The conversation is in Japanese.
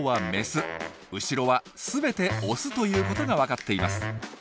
後ろは全てオスということが分かっています。